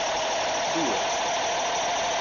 Durr!